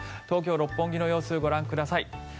東京・六本木の様子ご覧ください。